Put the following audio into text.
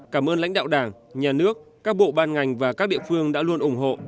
cảm ơn lãnh đạo đảng nhà nước các bộ ban ngành và các địa phương đã luôn ủng hộ